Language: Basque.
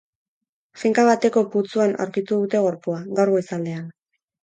Finka bateko putzuan aurkitu dute gorpua, gaur goizaldean.